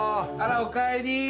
あらおかえり。